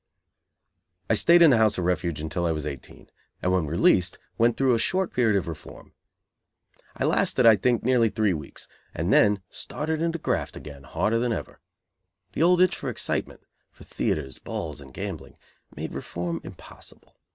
_ I stayed in the House of Refuge until I was eighteen, and when released, went through a short period of reform. I "lasted," I think, nearly three weeks, and then started in to graft again harder than ever. The old itch for excitement, for theatres, balls and gambling, made reform impossible.